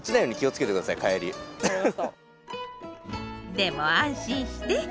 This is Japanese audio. でも安心して。